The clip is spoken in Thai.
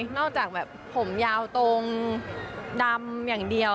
นอกจากแบบผมยาวตรงดำอย่างเดียว